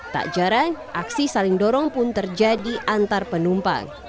tak jarang aksi saling dorong pun terjadi antar penumpang